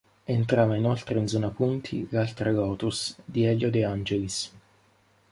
Entrava inoltre in zona punti l'altra Lotus, di Elio De Angelis.